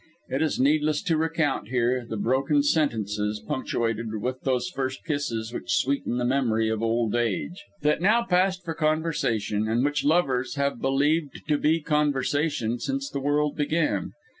It is needless to recount, here, the broken sentences (punctuated with those first kisses which sweeten the memory of old age) that now passed for conversation, and which lovers have believed to be conversation since the world began.